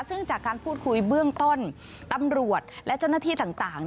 ซึ่งจากการพูดคุยเบื้องต้นตำรวจและเจ้าหน้าที่ต่าง